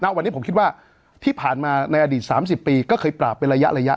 แล้ววันนี้ผมคิดว่าที่ผ่านมาในอดีตสามสิบปีก็เคยปราบเป็นระยะระยะ